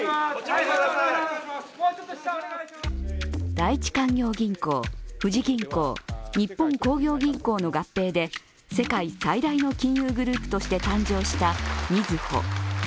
第一勧業銀行、富士銀行、日本興業銀行の合併で世界最大の金融グループとして誕生したみずほ。